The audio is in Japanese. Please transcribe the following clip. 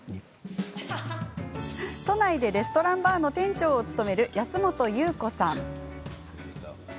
都内でレストランバーの店長を務める安元友子さん。